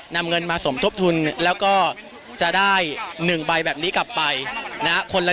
นำเงินมาสมทบทุนแล้วก็จะได้๑ใบแบบนี้กลับไปนะ